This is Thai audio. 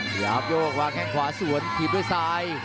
สยาบโยกวางแข่งขวาส่วนถีบด้วยสาย